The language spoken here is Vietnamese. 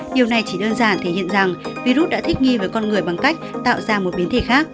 điều này chỉ đơn giản thể hiện rằng virus đã thích nghi với con người bằng cách tạo ra một biến thể khác